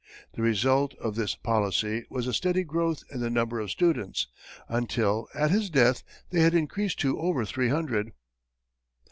The result of this policy was a steady growth in the number of students, until, at his death, they had increased to over three hundred.